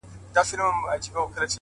د هیڅ شي یې کمی نه وو په بدن کي،